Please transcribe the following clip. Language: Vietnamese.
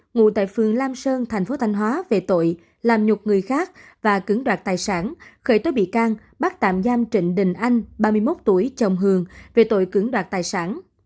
ngủ tại phường lam sơn tp thanh hóa về tội làm nhục người khác và cứng đoạt tài sản khởi tố bị can bắt tạm giam trịnh đình anh ba mươi một tuổi chồng hường về tội cứng đoạt tài sản